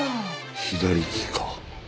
左利きか。